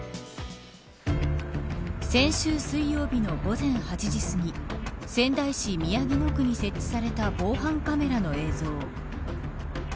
先週水曜日の午前８時すぎ仙台市宮城野区に設置された防犯カメラの映像。